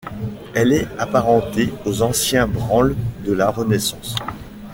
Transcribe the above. Elle est apparentée aux anciens branles de la Renaissance.